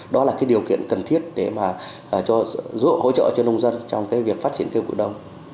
đó là điều kiện cần thiết để giúp hỗ trợ cho nông dân trong việc phát triển cây vụ đông